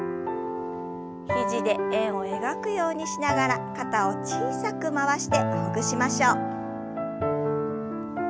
肘で円を描くようにしながら肩を小さく回してほぐしましょう。